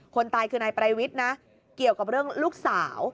คนตายคือนายประวิทย์นะเกี่ยวกับเรื่องลูกสาว